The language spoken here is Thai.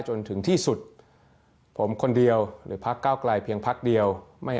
จนถึงที่สุดผมคนเดียวหรือพักเก้าไกลเพียงพักเดียวไม่